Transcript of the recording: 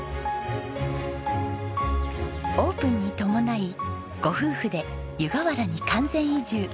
オープンに伴いご夫婦で湯河原に完全移住。